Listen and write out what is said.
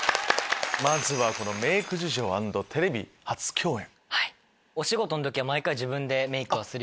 まずは「メイク事情＆テレビ初共演」。